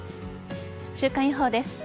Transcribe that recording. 週間予報です。